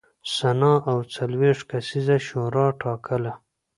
سنا او څلوېښت کسیزه شورا ټاکله.